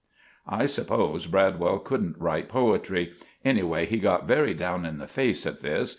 I suppose Bradwell couldn't write poetry. Anyway, he got very down in the face at this.